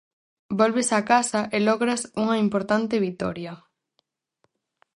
Volves a casa e logras unha importante vitoria.